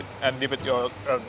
dan berikan ke saus kacang